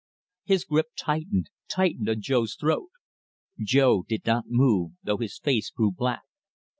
His grip tightened tightened on Jo's throat. Jo did not move, though his face grew black.